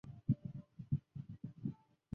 全株可做中药材。